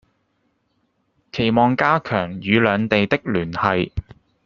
期望加強與兩地的聯繫